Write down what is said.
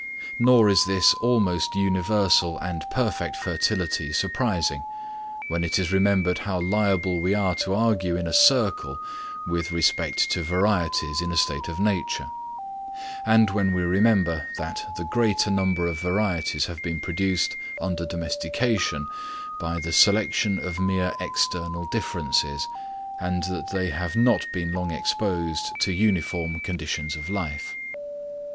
Nor is this almost universal and perfect fertility surprising, when it is remembered how liable we are to argue in a circle with respect to varieties in a state of nature; and when we remember that the greater number of varieties have been produced under domestication by the selection of mere external differences, and that they have not been long exposed to uniform conditions of life.